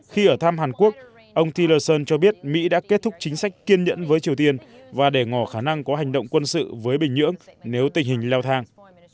khi ở thăm hàn quốc ông thilerson cho biết mỹ đã kết thúc chính sách kiên nhẫn với triều tiên và để ngỏ khả năng có hành động quân sự với bình nhưỡng nếu tình hình leo thang